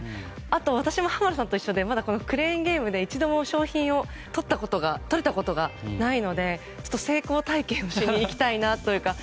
あと、私も濱田さんと一緒でまだクレーンゲームで一度も商品が取れたことがないので成功体験をしに行きたいなというか。